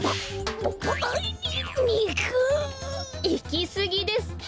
いきすぎです。